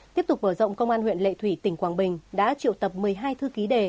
tiếp tục mở rộng công an huyện lệ thủy tỉnh quảng bình đã triệu tập một mươi hai thư ký đề